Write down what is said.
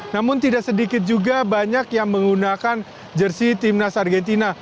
namun tidak sedikit juga banyak yang menggunakan jersi timnas argentina